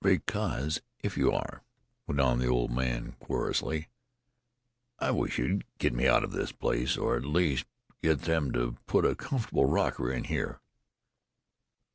"Because if you are," went on the old man querulously, "I wish you'd get me out of this place or, at least, get them to put a comfortable rocker in here."